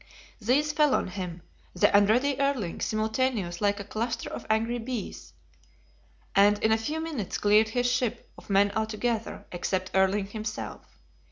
These fell on him, the unready Erling, simultaneous, like a cluster of angry bees; and in a few minutes cleared his ship of men altogether, except Erling himself.